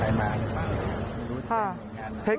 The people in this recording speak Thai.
อาหารเสร็จ